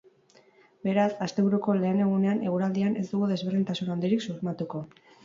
Beraz, asteburuko lehen egunean eguraldian ez dugu desberdintasun handirik sumatuko.